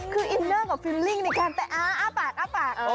คืออินเนอร์กับฟิลลิ่งในการแต่อ้าปากอ้าปาก